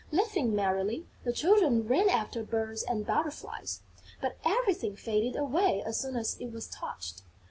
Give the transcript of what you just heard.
Laughing merrily, the children ran after birds and butterflies, but everything faded away as soon as it was touched.